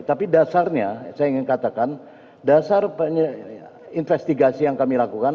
tapi dasarnya saya ingin katakan dasar investigasi yang kami lakukan